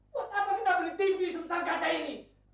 buat apa kita beli tinggi sebesar kaca ini